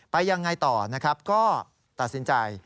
ยังไงต่อนะครับก็ตัดสินใจ